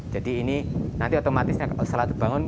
jadi ini nanti otomatisnya setelah dibangun